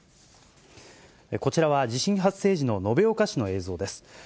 こちらは地震発生時の延岡市の映像です。